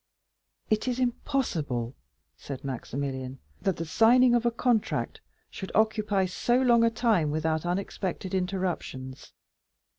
"It is impossible," said Maximilian, "that the signing of a contract should occupy so long a time without unexpected interruptions.